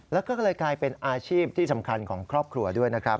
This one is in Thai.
แล้วก็ก็เลยกลายเป็นอาชีพที่สำคัญของครอบครัวด้วยนะครับ